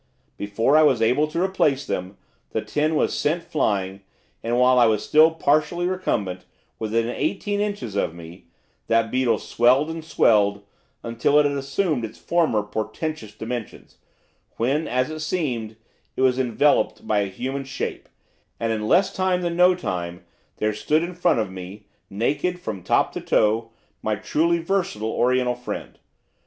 Before I was able to replace them, the tin was sent flying, and, while I was still partially recumbent, within eighteen inches of me, that beetle swelled and swelled, until it had assumed its former portentous dimensions, when, as it seemed, it was enveloped by a human shape, and in less time than no time, there stood in front of me, naked from top to toe, my truly versatile oriental friend.